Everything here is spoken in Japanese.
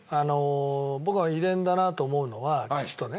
僕は遺伝だなと思うのは父とね。